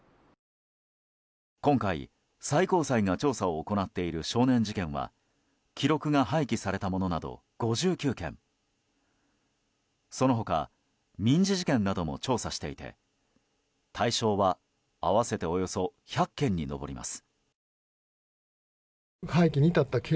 今回、最高裁が調査を行っている少年事件は記録が廃棄されたものなど５９件その他民事事件なども調査していて対象は合わせておよそ１００件に上ります。